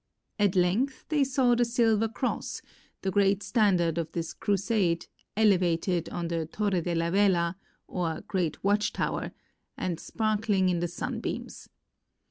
At length they saw the silver cross, the great standard of this crusade, elevated on the Torre de la Vela, or Great Watch Tower, and sparkling in the sunbeams.